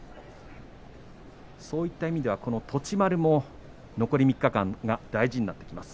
そういった意味ではこの栃丸も残り３日間、大事になってきます。